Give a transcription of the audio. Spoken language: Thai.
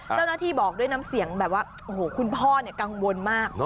เจ้าหน้าที่บอกด้วยน้ำเสียงแบบว่าโอ้โหคุณพ่อกังวลมาก